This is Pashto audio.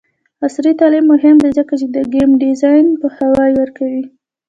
عصري تعلیم مهم دی ځکه چې د ګیم ډیزاین پوهاوی ورکوي.